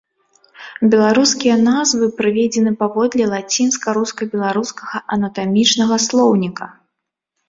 Беларускія назвы прыведзены паводле лацінска-руска-беларускага анатамічнага слоўніка.